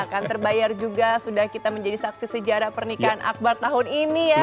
akan terbayar juga sudah kita menjadi saksi sejarah pernikahan akbar tahun ini ya